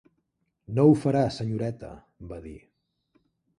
"No ho farà, senyoreta", va dir.